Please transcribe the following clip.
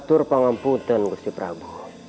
hathurpangapunten gusti prabu